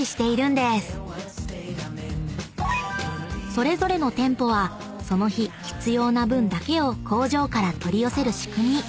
［それぞれの店舗はその日必要な分だけを工場から取り寄せる仕組み］